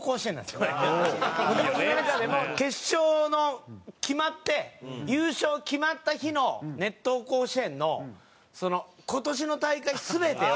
その中でも決勝の決まって優勝決まった日の『熱闘甲子園』の今年の大会全てを。